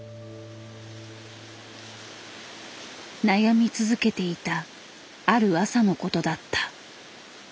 悩み続けていたある朝のことだった。